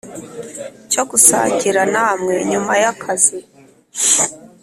cyogusangira namwe nyuma yakazi